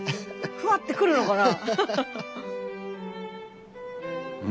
ふわってくるのかな？